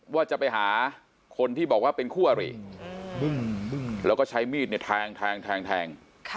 ว่าจะไปหาคนที่บอกว่าเป็นคู่อริแล้วก็ใช้มีดเนี่ยแทง